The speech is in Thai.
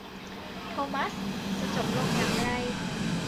โทมัสจะจบลงอย่างไร ?